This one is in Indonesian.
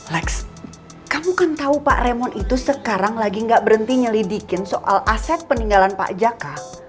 lex kamu kan tahu pak remon itu sekarang lagi gak berhenti nyelidikin soal aset peninggalan pak jaka